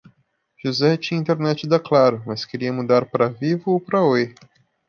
José tinha internet da Claro, mas queria mudar pra Vivo ou pra Oi.